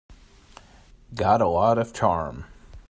Got a lot of charm.